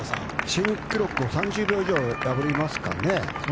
新記録を３０秒以上破りますかね。